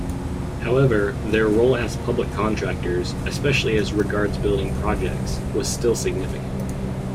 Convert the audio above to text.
However, their role as public contractors, especially as regards building projects, was still significant.